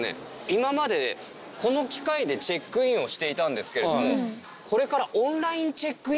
今までこの機械でチェックインをしていたんですけれどもこれから。